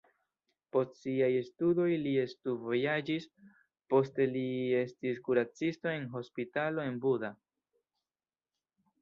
Post siaj studoj li studvojaĝis, poste li estis kuracisto en hospitalo en Buda.